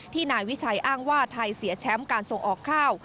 นายวิชัยอ้างว่าไทยเสียแชมป์การส่งออกข้าว